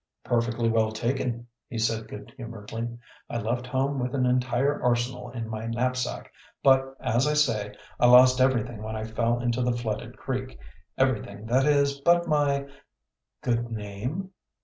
"Perfectly well taken," he said good humoredly. "I left home with an entire arsenal in my knapsack, but, as I say, I lost everything when I fell into the flooded creek. Everything, that is, but my " "Good name?"